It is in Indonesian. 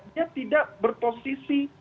dia tidak berposisi